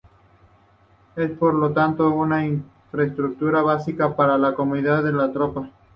Es, por lo tanto, una infraestructura básica para la comodidad de la tropa.